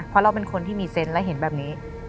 เพราะเราเป็นคนที่มีเซนต์และเห็นแบบนี้